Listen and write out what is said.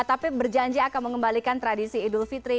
tapi berjanji akan mengembalikan tradisi idul fitri